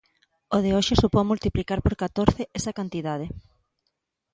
O de hoxe supón multiplicar por catorce esa cantidade.